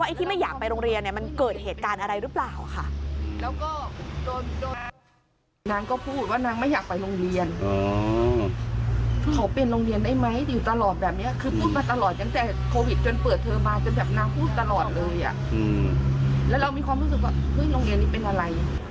ไอ้ที่ไม่อยากไปโรงเรียนเนี่ยมันเกิดเหตุการณ์อะไรหรือเปล่าค่ะ